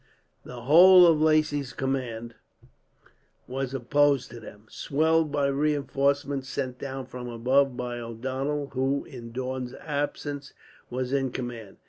The whole of Lacy's command was opposed to them, swelled by reinforcements sent down from above by O'Donnel who, in Daun's absence, was in command.